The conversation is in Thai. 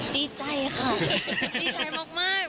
ดีใจค่ะดีใจมาก